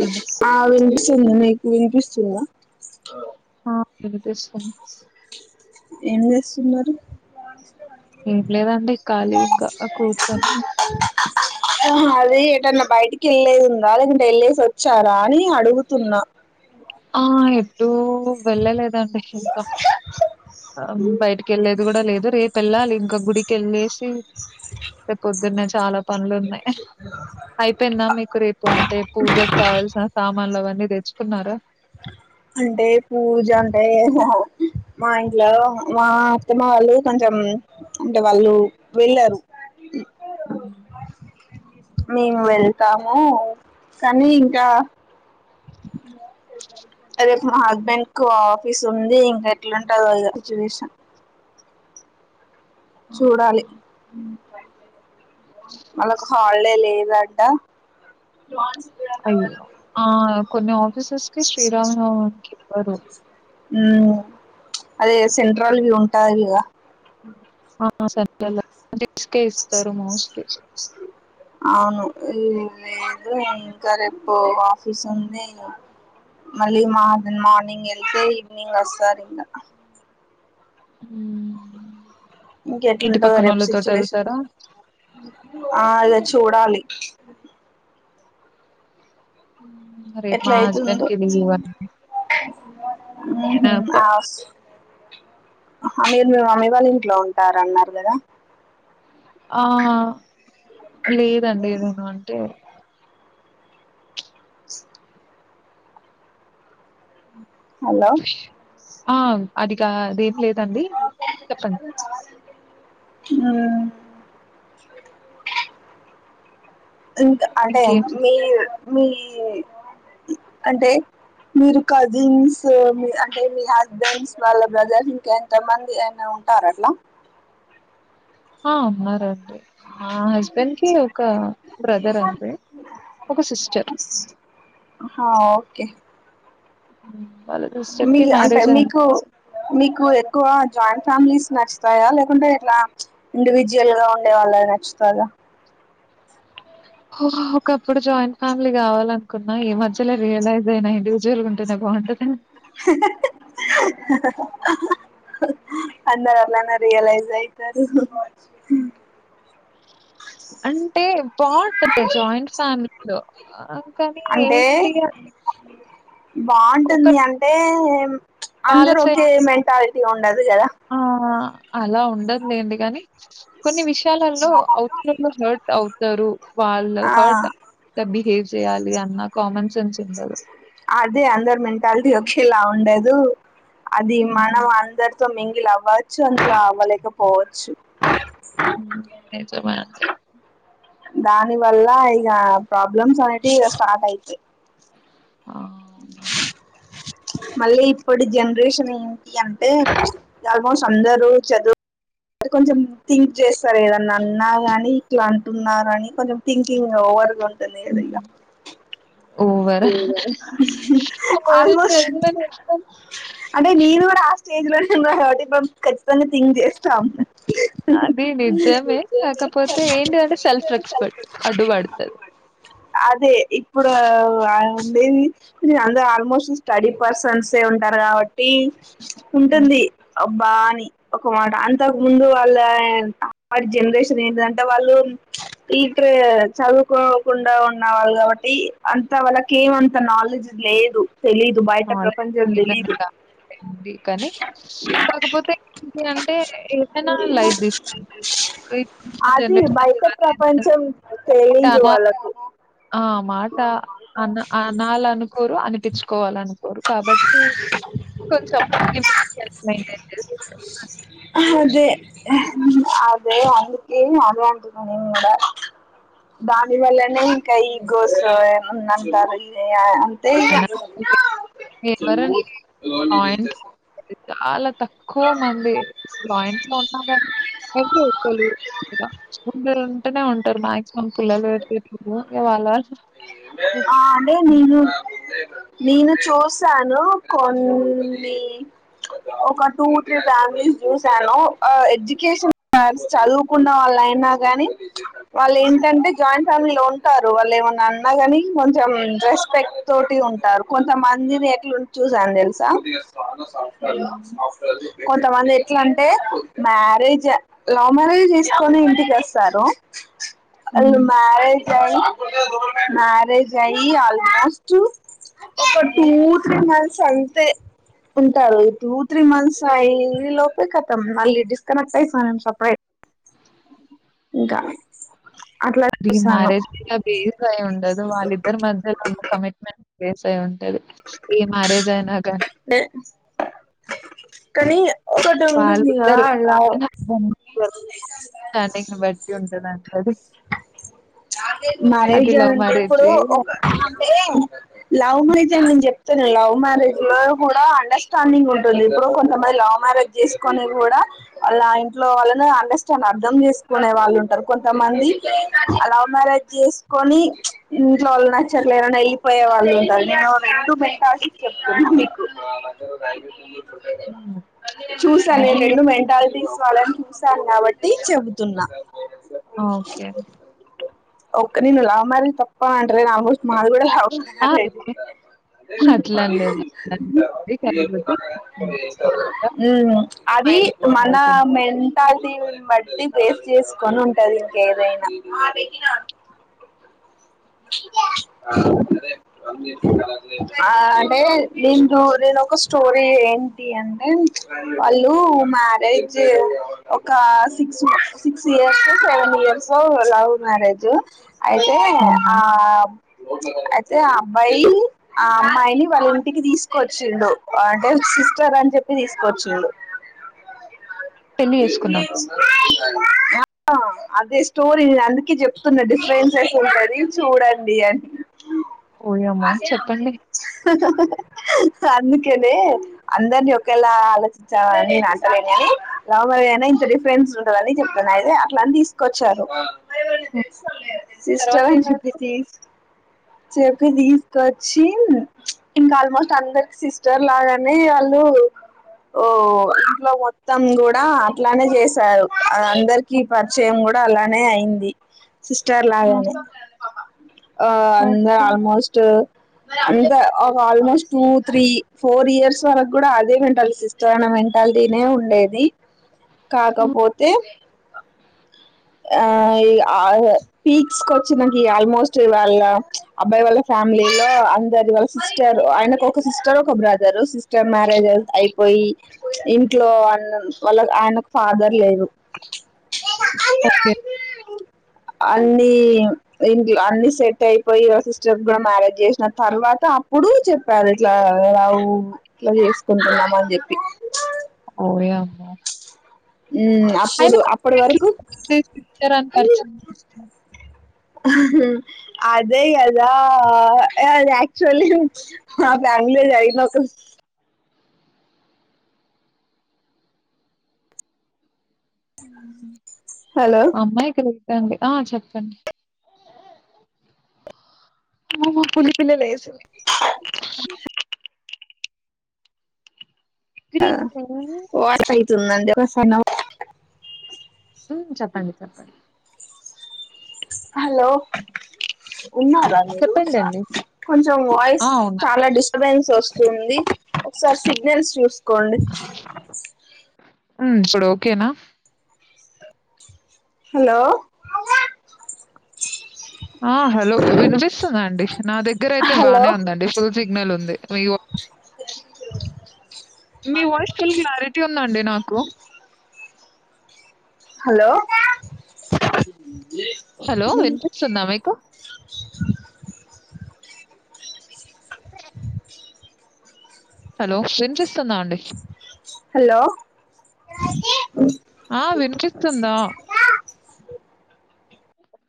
హ్మ్. ఆ వినిపిస్తుంది మీీకు వినిపిస్తుందా ఆ వినిపిస్తుంది ఏం చేస్తున్నారు ఎం లేదండి ఖాళీ ఇంకా కూర్చొని ఆహా అది ఏటన్నా బయటికి వెళ్ళేది ఉందా లేకుంటే వెళ్ళేసి వచ్చారా అని అడుగుతున్నా ఆ ఎటుూ వెళ్ళలేదండి ఇంకా ఆ బయటికి వెళ్ళేది కూడా లేదు రేపు వెళ్ళాలి ఇంకా గుడికి వెళ్ళేసి సే పొద్దున్నే చాలా పనులు ఉన్నాయి అయిపోయిదా మీకు రేపు అంటే పూజకు కావాల్సిన సామాన్లు అవన్నీ తెచ్చుకున్నారా అంటే పూజ అంటే మా ఇంట్లో మా అత్తమ వాళ్ళు కొంచెం అంటే వాళ్ళు వెళ్ళారు ఉ మేము వెళ్తాము కానీ ఇంకా రేపు మా హస్బెండ్ కు ఆఫీస్ ఉంది ఇంకా ఎట్లాంటందో ఇగ సిచ్యువేషన్ అవునా? చూడాలి. వాళ్లకు హాలిడే లేదు అంట? అయ్యో, ఆ కొన్ని ఆఫీసెస్ కి, శ్రీరామనవాకి ఇ్వారు. అవే, సెంట్రల్వి ఉంటాది గా. ఆహా. సెంట్రల్ [unintelligible] డిపస [unintelligible] కే ఇస్తారు మోస్ట్లీ. అవును, లేదు ఇంకా రేపు ఆఫీస్ ఉంది. మళ్లీ మా మార్నింగ్ వెళ్తే, ఈవినింగ్ వస్తారు ఇంగా. హ్మ్. ఇంటి ఇంకెట్లుంటధో, రేెపు సిచ్యువేషన్. పక్కనోళ్ళతోటెళ్తారా? ఆ అయిచ్చ. తూడాలి. హ్మ్. రేపు ఎట్లా మా హస్బెండ్ అయితుందో? కి లీవ్ అండి. ఊహు నేనప్ప ఆసు. ఆహా, మీరు మే మమ్మీ వాళ్లు ఇంట్లో ఉంటార అన్నారు కదా? ఆ లేదండి, ఏదేనా అంటే. సు. హలో హుష్, ఆ అదిగాథ. ఆదేం లేదు. త అండి, చెప్పండి. హ్మ్. [unintelligible] ఇంకా అంటే. ఇంకేం చె మీర్ మీ అంటే. మీరు కజిన్స్, మీ అంటే మీ హస్బెండ్స్ మళ్ల బ్రదర్స్ ఇంకా ఎంత మంది ఎన్న. ఉంటార ఎట్లా. ఆ, ఉన్నారండి. మా హస్బెండ్‌కి ఒక బ్రదర్ అంతే. ఒక, సిస్టర్. హా, ఓకే! ఉమ్. మీ అంటే, మీకు మీకు ఎక్కువ. జాయింట్ ఫ్యామిలీస్ నచ్చుతాయా? లేకుంటే ఇట్లా ఇండివిడ్యువల్‌గా, ఉండే వాళ్లది నచ్. నచ్చుతాదా? ఒహో, ఒకప్పుడు జాయింట్ ఫ్యామిలీ కావాలనుకున్నా, ఈ మధ్యలో రియలైజ్ అయినా, ఇండివిజువల్‌గా ఉంటేనే బాగు. బావుంటదా? హీ హా హె.... అందరూ అట్లానే, రియలైజ్ అయితారు. అంటే, బావుంటది జాయింట్ ఫ్యామిలీలో, కానీ అంటే ఏంటి అని. బాగుంటుంది, అంటే వాళ్ళ అందరు ఒకే సైడ్ మెంటాలిటీ ఉండదు కదా. ఆ! అలా ఉండదు లెండి, గానీ. కొన్ని విషయాల్లో, అవతలోళ్లు హర్ట్ అవుతారు. వాళ్ల ఆ హర్ట్.. ఇట్లా, బిహేవ్ జేయాలి అన్న కామన్స్. అదే అందరు మెంటాలిటీ, ఒకే ఇలా ఉండదు. అది, హ్మ్. మనం అందరితో మింగిలి అవ్వచ్చు, అందులో అవ్వలేకపోవచ్చు. మ్మ్. నిజమే, అండి. దాని వల్ల, ఇగ ప్రాబ్లమ్స్ అనేటివి ఇగ స్టార్ట్ అయితాయి. ఆ! అవునండి. మళ్లీ ఇప్పడి జనరేషన్ ఏంటంటే, ఆల్మోస్ట్ అందరూ చదువ్. అంటే, కొంచెం థింక్ జేస్తారు. ఏదన్నా అన్నా గానీ, ఇట్లా అంటున్నారు అని కొంచెం థింకింగ్ ఓవర్‌గా ఉం. అంతానే గదా, ఇగ. హ్మ్. Over ఒహో [unintelligible] ఓవరని almost. చెప్పను. అంటే, నేను గూడ హోస్. స్టేజ్‌లోనే ఉన్నాం కాబట్టి, [unintelligible] ఖచ్చితంగా థింక్ చేస్తాం. అది నిజమే. కాకపోతే, ఏంటి అంటే సెల్ఫ్ రెస్పెక్ట్ అడ్డుబడు. పడుతారు. అదే ఇప్పుడు వా ఉండేది అందరు ఆల్మోస్ట్ స్టడీ పెర్సన్సే ఉంటారు కాబట్టి హ్మ్. ఉంటుంది అబ్బా అని ఒక మాట అంతకు ముందు వాళ్ళ జనరేషన్ ఏంటిదంటే వాళ్ళు ఇట్ర చదువుకోకుండా ఉన్నవాళ్ళు కాబట్టి అం త వాళ్ళకి ఏమంత నాలెడ్జ్ లేదు తెలిదు బయట ఆ! ప్రపంచం లేదండి. లేదండి. తెలిదు కాదండి. ఇది అంటే ఏదైనా లైట్ తీసుకుంటారు ఇప్పుడున్న అది జనరేషన్ బయట వాళ్ళేంటంటే ప్రపంచం మాట తెలిదు అనా వాళ్ళకు ఆ మాట అన అనాలనుకోరు అనిపించుకోవాలను కాబట్టి కొంచం అదే అదే అందుకె అదే అంటున్న నేను గుడా దాని వల్లనే కై గోస్ ఉన్నాం కాబట్టి అన్ ఇవ్వరండి పాయింట్లు అది చాలా తక్కువ మంది జాయింట్ లో ఉన్నాగాని అ ఒకలు ఉంటేనే ఉ మాక్సిమం పిల్లలు [unintelligible] ఇగ వాళ్ళు వాళ్ళు ఆ అంటే నేను నేను చూసాను కొన్ని ఒక టూ త్రీ ఫ్యామిలీస్ చూసాను అ ఎడ్యుకేషన్ చదువుకున్న వాళ్ అయినా గానీ వాళ్ళు ఏంటంటే జాయింట్ ఫ్యామిలీలో ఉంటారు వాళ్ళు ఏమనా అన్న కానీ కొంచెం రెస్పెక్ట్ తోటి ఉంటారు కొంచెం అన్ని రేట్లు చూసాను తెలుసా హ్మ్. కొంతమంది ఎట్లంటే మ్యారేజ్ లవ్ మ్యారేజ్ చేసుకొని ఇంటికి వస్తారు అండ్ హ్మ్. మ్యారేజ్ మారేజయి అల్మోస్ట్ ఒక టూ త్రీ మంత్స్ అంతే ఉంటారు టూ త్రీ మంత్స్ అయి ఈలోపే కతం మళ్ళీ డిస్కనెక్ట్ అయిసాను నే సప్రేట్ ఇంకా అట్లా అది చూసాను మ్యారేజ్ బేస్ అయి ఉండదు వాళ్ళిద్దరి మధ్యలో ఉన్న కమిట్మెంట్ బేస్ అయి ఉంటది ఈ మ్యారేజ్ అయినా గాని న కని వాళ్ళిద్దరు స్టాడింగ్ ని బట్టి ఉంటుందండి అది అది మారేజ్ లవ్ అంటే ఇప్పుడు మ్యారేజే ఒక అంటే లవ్ మీదే నేను చెప్తున్న లవ్ మ్యారేజ్ ఇ కూడా అండర్స్టాండింగ్ ఉంటుంది ఇప్పుడు కొంతమంది లవ్ మ్యారేజ్ చేసుకోని కూడా అలా ఇంట్లో వాళ్ళని అండర్స్టాండ్ అర్థం చేసుకునే వాళ్ళు ఉంటారు కొంతమంది లవ్ మారేజ్ చేస్కోని కొని ఇంట్లో వాళ్ళు నచ్చట్లేరని వెళ్ళిపోయే వాళ్ళు ఉంటారు నే రెండు మెంటాలిస్ చెప్ మీకు హ్మ్. చూసాను నేను అది రెండు మెంటాలిటీస్ వాళ్ళని చు చూసాను కాబట్టి చెబుతున్నా ఓకే ఒక్క నిన్ను లవ్ మ్యారేజ్ తప్ప అంటేలేన్ ఆల్మోస్ట్ మాది గుడా లవ్ ఆ! మ్యారేజి [unintelligible] నార్మల్‌గా హ్మ్ హు అది మైండ్ మన అవుట్‌ని బట్టి. మెంటాలిటీని బ బట్టి బేస్ చేసుకొని ఉంటది ఇంకేదైనా [unintelligible] అంటే దీంట్లో నేను ఒక స్టోరీ ఏంటి అంటే వాళ్ళు మ్యారేజ్ ఒక six six years seven year so love marriage అయితే అవునా? ఆ అయితే అబ్బాయి ఆ అమ్మాయిని వాళ్ళ ఇంటికి తీసుకొచ్చిండు అంటే సిస్టర్ అని చెప్పి తీసుకొచ్చిండు పెళ్లి చేసుకున్నాం. ఆ అదే స్టోరీ నేను అందుకే చెప్తున్నాది డిఫరెన్సెస్ గలది చూడండి అని ఓయమ్మో! అదే అమ్మాయి చెప్పండి. అందుకేనే అందరినీ ఒకేళ ఆలోచించామని నేను అంటలేను గాని లవ్ అనగానే ఇంత డిఫరెన్స్ ఉంటని చెప్తున్నా అదే అట్లా అని తీసుకొచ్చారు హ్మ్. తర్వాత ఏం అయింది పిస్ చెప్పి తీసుకొచ్చి ఇంకా ఆల్మోస్ట్ అందరికి సిస్టర్ లాగానే వాళ్ళు లు ఓ ఇంట్లో మొత్తం కూడా అట్లానే చేసారు అ అందరికీ పరిచయం కూడా కూడా అలానే అయింది సిస్టర్ హ్మ్. లాగానే ఆ అంద ఓకే. ఆల్మోస్ట్ అంత ఒక almost two three four years వరకు కూడా అదే వెంటాలి సిస్టర్ అనే మెంటాలిటీనే ఉండేది హ్మ్. కాకపోతే ఆ ఇగ ఆ పీక్స్ కి వచ్చి నా క కి ఆల్మోస్ట్ వాళ్ళ అబ్బాయి వాళ్ళ ఫ్యామిలీ లో అందరి వాళ్ళ సిస్టర్ ఆయనకు ఒక సిస్టర్ రో ఒక బ్రదర్ సిస్టర్ మ్యారేజ్ అయిపోయి ఇంట్లో అన్నం వాళ్ళ ఆయన ఫ దర్ లేరు ఓకే అన్నిీ ఇంట్లో అన్ని సెట్ అయిపోయి వా సిస్టర్స్ కూడా మ్యారేజ్ చేసిన తర్వాత అప్పుడు చెప్పారు ఇట్లా రాదా లవ్ ఇట్లా చేసుకుంటున్నాం అని చెప్పి ఓయమ్మో ఉమ్ అయినా అప్పుడు అట్లా అప్పటి ఎట్లా వరకు ఉంటారు సిస్టర్ అని పరిచం చేస్తారు హ ఉ అదే కదా అ ఆక్చువలీ మా బ్యాంగ్ళూర్యి ఈమెకు హలో అమ్మా ఎక్కడ చెడి ఆ చెప్పండి మా పులి పిల్లలు లెస్ చింది క్రీ తూనండి ప్రసన ఉ చెప్పండి చెప్పండి హలో ఉన్నారా మీరు చెప్పండండి. కొంచెం ఆ! వాయిస్ ఉన్నా. చాలా డిస్టర్బెన్స్ సోస్తుంది ఒకసారి సిగ్నల్స్ చూసుకోండి ఉ ఇప్పుడు ఓకేనా హలో ఆ హలో వినిపిస్తుందండి నా దగ్గర అయితే హలో బానే ఉందండి ఫుల్ సిగ్నల్ ఉంది మీ ఓ క్యాడింగ్ జో మీ వాయిస్ ఫుల్ క్లారిటీ ఉందండి నాకు హలో హలో వినిపిస్తుంద మీకు హలో వినిపిస్తుందా అండి హలో ఆ వినిపిస్తుందా